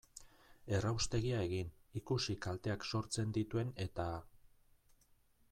Erraustegia egin, ikusi kalteak sortzen dituen eta...